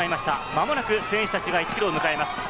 間もなく選手たちが１ｋｍを迎えます。